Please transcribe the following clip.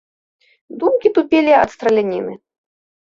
Думкі тупелі ад страляніны.